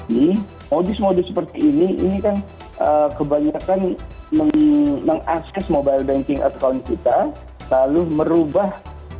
ini modus modus seperti ini ini kan kebanyakan mengakses mobile banking account kita lalu merubah